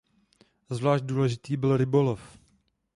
Zvlášť důležitý byl rybolov.